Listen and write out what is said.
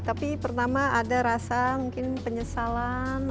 tapi pertama ada rasa mungkin penyesalan